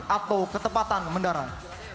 atau ketepatan mendarat